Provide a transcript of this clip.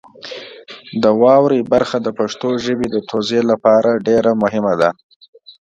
د واورئ برخه د پښتو ژبې د توزیع لپاره ډېره مهمه ده.